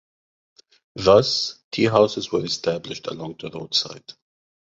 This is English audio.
Thus, teahouses were established along the roadside.